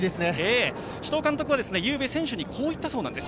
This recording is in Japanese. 首藤監督はゆうべ、選手にこう言ったそうです。